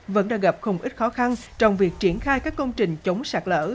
vẫn đang gặp không ít khó khăn trong việc triển khai các công trình chống sạt lỡ